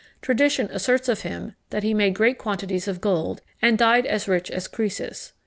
Tradition asserts of him, that he made great quantities of gold, and died as rich as Croesus.